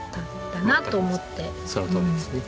そのとおりですね。